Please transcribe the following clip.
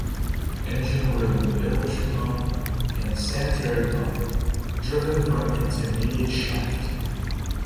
Engine room bilge pump and sanitary pump driven from intermediate shaft.